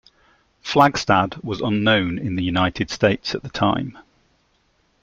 Flagstad was unknown in the United States at the time.